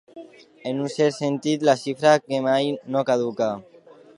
En un cert sentit, la xifra que mai no caduca.